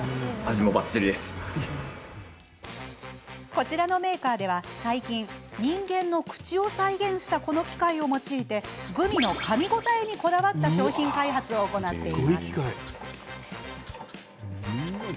こちらのメーカーでは最近人間の口を再現したこの機械を用いてグミのかみ応えにこだわった商品開発を行っています。